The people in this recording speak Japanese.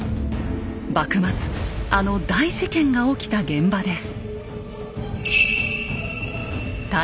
幕末あの大事件が起きた現場です。